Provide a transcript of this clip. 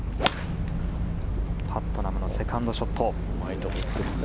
パットナムのセカンドショット。